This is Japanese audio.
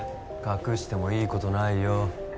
隠してもいいことないよ